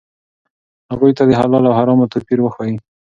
هغوی ته د حلال او حرامو توپیر وښایئ.